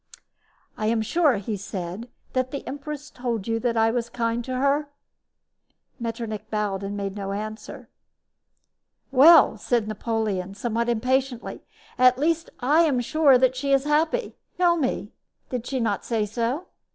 "I am sure," he said, "that the empress told you that I was kind to her?" Metternich bowed and made no answer. "Well," said Napoleon, somewhat impatiently, "at least I am sure that she is happy. Tell me, did she not say so?"